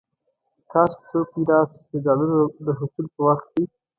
کاش کې څوک پيدا شي چې د ډالرو د حصول په وخت کې.